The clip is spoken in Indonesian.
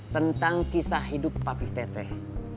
tentang kisah hidup papi teteh